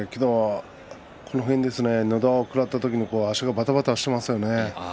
のど輪を食らった時に足がばたばたしていますね。